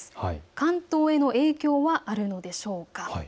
関東への影響はあるのでしょうか。